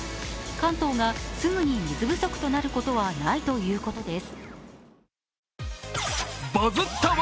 関東がすぐに水不足となることはないということです。